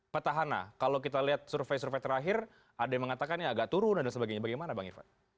petahana kalau kita lihat survei survei terakhir ada yang mengatakan ya agak turun dan sebagainya bagaimana bang irfan